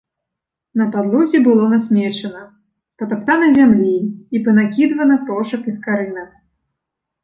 На падлозе было насмечана, патаптана зямлі і панакідвана крошак і скарынак.